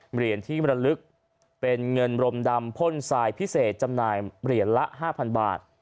เหรียญที่มรลึกเป็นเงินรมดำพ่นทรายพิเศษจำหน่ายเหรียญละ๕๐๐บาท